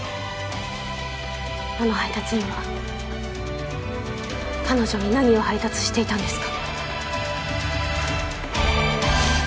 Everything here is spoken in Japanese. あの配達員は彼女に何を配達していたんですか？